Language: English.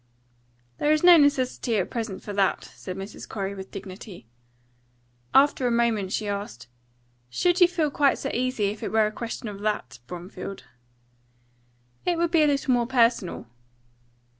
"There is no necessity at present for that," said Mrs. Corey, with dignity. After a moment, she asked, "Should you feel quite so easy if it were a question of that, Bromfield?" "It would be a little more personal."